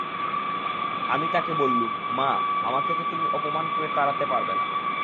আমি তাকে বললুম, মা, আমাকে তো তুমি অপমান করে তাড়াতে পারবে না।